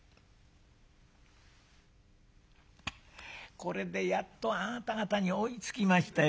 「これでやっとあなた方に追いつきましたよ。